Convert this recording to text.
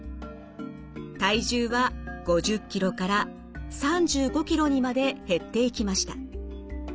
体重は５０ｋｇから３５ｋｇにまで減っていきました。